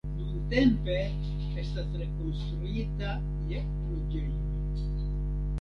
Nuntempe estas rekonstruita je loĝejoj.